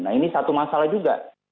nah ini satu masalah juga